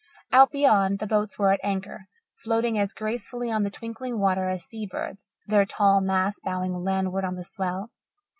Out beyond, the boats were at anchor, floating as gracefully on the twinkling water as sea birds, their tall masts bowing landward on the swell.